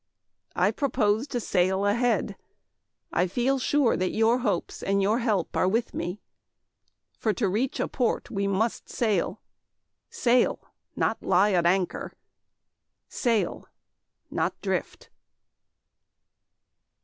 I propose to sail ahead. I feel sure that your hopes and your help are with me. For to reach a port, we must sail sail, not lie at anchor, sail, not drift.